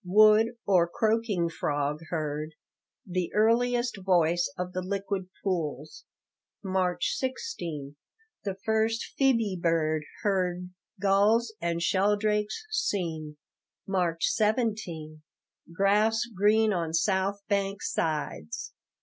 Wood, or croaking frog heard; "the earliest voice of the liquid pools." March 16 The first phebe bird heard. Gulls and sheldrakes seen. March 17 Grass green on south bank sides.